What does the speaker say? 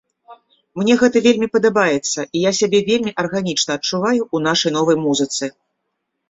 Мне гэта вельмі падабаецца, і я сябе вельмі арганічна адчуваю ў нашай новай музыцы.